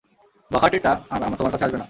বখাটেটা আর তোমার কাছে আসবে না।